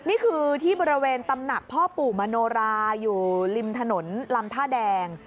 นี่คือที่บริเวณตำหนักพ่อปู่มโนราอยู่ริมถนนลำท่าแดง